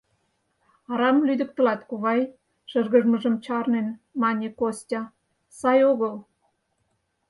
— Арам лӱдыктылат, кувай, — шыргыжмыжым чарнен, мане Костя, — Сай огыл.